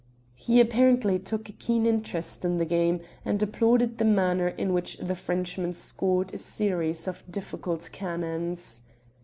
He apparently took a keen interest in the game, and applauded the manner in which the Frenchman scored a series of difficult cannons.